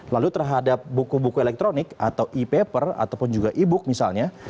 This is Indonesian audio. lalu terhadap buku buku elektronik atau e paper ataupun juga e book misalnya